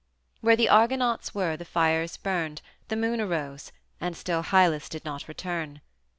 Where the Argonauts were the fires burned, the moon arose, and still Hylas did not return.